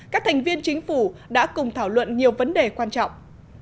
các thành viên chính phủ đã cùng thảo luận nhiều vấn đề quan trọng